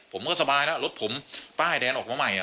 ผมก็สบายแล้วรถผมป้ายแดงออกมาใหม่